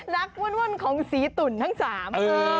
วุ่นของสีตุ่นทั้งสาม